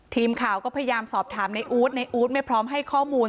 ทีมข่าวก็พยายามสอบถามในอู๊ดในอู๊ดไม่พร้อมให้ข้อมูล